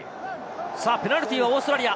ペナルティーはオーストラリア。